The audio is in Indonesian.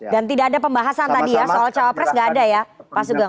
dan tidak ada pembahasan tadi ya soal cawa press tidak ada ya pak sugeng